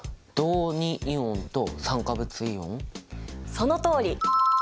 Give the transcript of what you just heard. そのとおり！